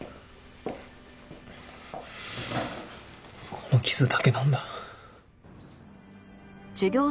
この傷だけなんだ。